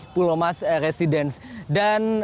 pulau mas residen dan